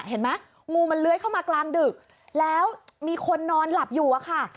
เห็นไหมงูมันเลื้อยเข้ามากลางดึกแล้วมีคนนอนหลับอยู่อะค่ะ